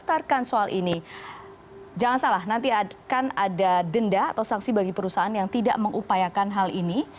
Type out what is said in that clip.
jangan salah nanti akan ada denda atau sanksi bagi perusahaan yang tidak mengupayakan hal ini